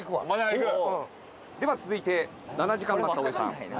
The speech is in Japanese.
では続いて７時間待った大江さん。